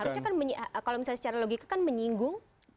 harusnya kan kalau misalnya secara logika kan menyinggung